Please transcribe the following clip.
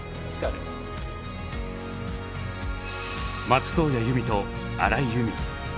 松任谷由実と荒井由実。